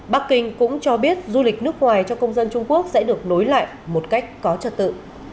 bắc kinh cũng cho biết du lịch nước ngoài cho công dân trung quốc sẽ được nối lại một cách có trật tự